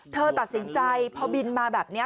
เธอตัดสินใจพอบินมาแบบนี้